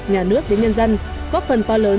nhà nước đến nhân dân góp phần to lớn